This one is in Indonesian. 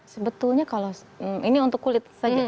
sebetulnya kalau ini untuk kulit saja